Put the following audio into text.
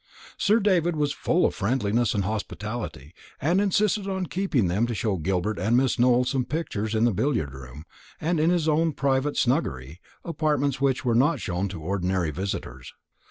Sir David was full of friendliness and hospitality, and insisted on keeping them to show Gilbert and Miss Nowell some pictures in the billiard room and in his own private snuggery, apartments which were not shown to ordinary visitors.